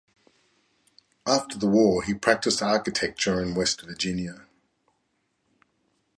After the war he practiced architecture in West Virginia.